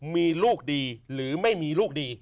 มีลูกดีหรือไม่มีลูกดี